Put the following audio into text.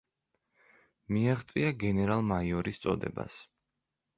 მიაღწია გენერალ-მაიორის წოდებას.